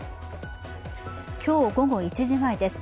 今日午後１時前です。